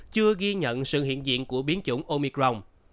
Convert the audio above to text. chưa ghi nhận sự hiện diện của biến chủng omicron